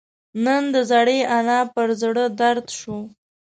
نن د زړې انا پر زړه دړد شو